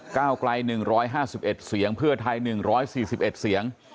ก้าวไกล๑๕๑เสียงเพื่อไทย๑๔๑เสียง